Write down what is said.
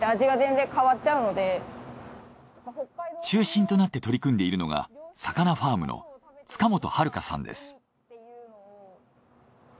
中心となって取り組んでいるのがさかなファームの塚本春香さんです。